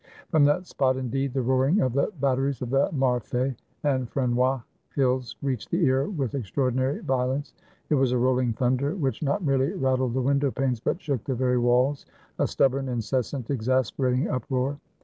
From that spot, indeed, the roaring of the batteries of the Marfee and Frenois hills reached the ear with extraordinary violence — it was a rolHng thunder, which not merely rattled the window panes, but shook the very walls, a stubborn, incessant, exasperating uproar.